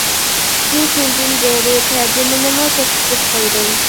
ئىككى كۈندىن بېرى تەرجىمىنىمۇ توختىتىپ قويدۇم.